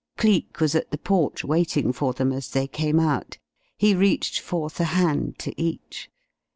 Cleek was at the porch waiting for them as they came out. He reached forth a hand to each.